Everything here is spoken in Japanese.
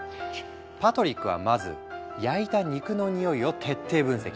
パトリックはまず焼いた肉の匂いを徹底分析。